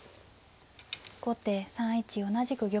後手３一同じく玉。